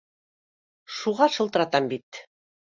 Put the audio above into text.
Шуға шылтыратам бит